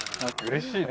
うれしい。